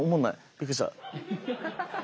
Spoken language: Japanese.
びっくりした。